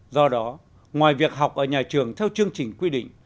do đó ngoài việc học ở nhà trường theo chương trình quy định